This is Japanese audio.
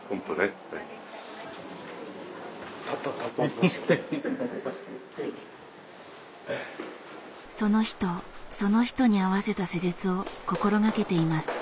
その人その人に合わせた施術を心がけています。